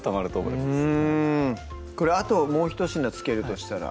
うんこれあともうひと品付けるとしたら？